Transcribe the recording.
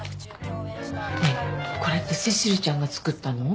ねえこれってセシルちゃんがつくったの？